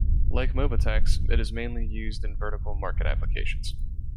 Like Mobitex, it is mainly used in vertical market applications.